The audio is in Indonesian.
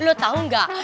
lo tau gak